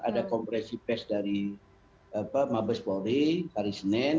ada kompresi pes dari mabes polri hari senin